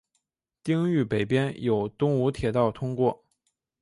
町域北边有东武铁道通过。